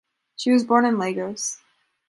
She was born in Lagos.